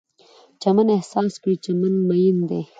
چمن احساس کړئ، چمن میین دی